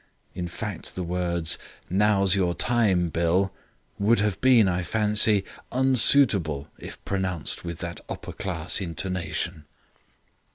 In fact, the words, 'Now's your time, Bill', would have been, I fancy, unsuitable if pronounced with that upper class intonation.